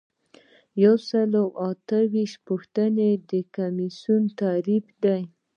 یو سل او اته ویشتمه پوښتنه د کمیسیون تعریف دی.